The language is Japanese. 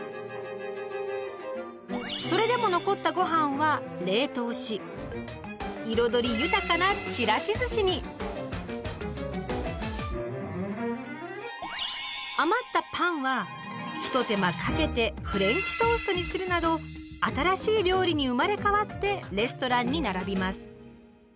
それでも残ったごはんは冷凍し彩り豊かなひと手間かけてフレンチトーストにするなど新しい料理に生まれ変わってレストランに並びます。